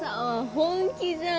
本気じゃん